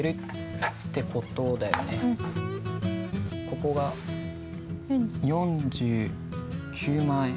ここが４９万円。